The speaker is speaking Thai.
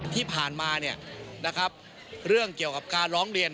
ที่ผ่านมาเรื่องเกี่ยวกับการร้องเรียน